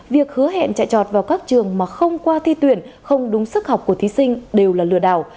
việc hứa hẹn chạy trọt vào các trường mà không qua thi tuyển không đúng sức học của thí sinh đều là lừa đảo